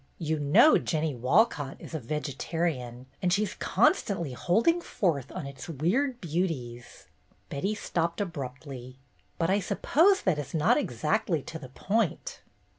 You know Jennie Walcott is a vegetarian, and she 's constantly holding forth on its weird beauties." Betty stopped abruptly. " But I suppose that is not exactly to the point."